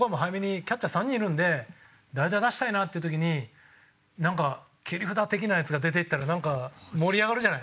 キャッチャー３人いるんで代打出したいなっていう時になんか切り札的なヤツが出ていったらなんか盛り上がるじゃない。